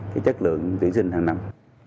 cái chất lượng tuyển sinh hàng năm